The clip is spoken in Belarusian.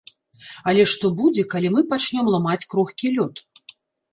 Але што будзе, калі мы пачнём ламаць крохкі лёд?